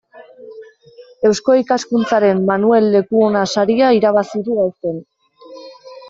Eusko Ikaskuntzaren Manuel Lekuona saria irabazi du aurten.